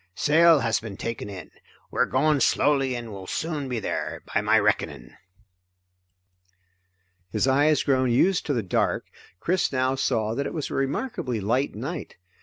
Sail has been taken in; we are going slowly and will soon be there, by my reckoning." His eyes grown used to the dark, Chris now saw that it was a remarkably light night.